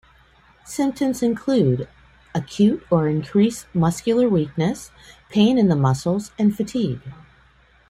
Symptoms include acute or increased muscular weakness, pain in the muscles, and fatigue.